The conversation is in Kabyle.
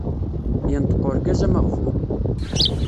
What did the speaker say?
Yenṭeq urgaz ameɣbun.